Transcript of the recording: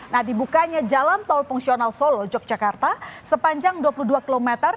nah dibukanya jalan tol fungsional solo yogyakarta sepanjang dua puluh dua km